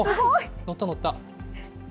乗った、乗った。